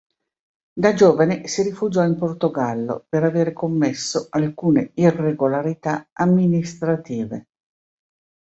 Da giovane si rifugiò in Portogallo per aver commesso alcune irregolarità amministrative.